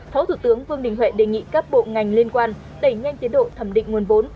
phó thủ tướng vương đình huệ đề nghị các bộ ngành liên quan đẩy nhanh tiến độ thẩm định nguồn vốn